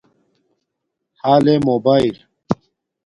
ھالے موباݵل